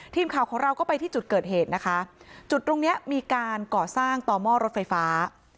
ทีมข่าวของเราก็ไปที่จุดเกิดเหตุนะคะจุดตรงเนี้ยมีการก่อสร้างต่อหม้อรถไฟฟ้า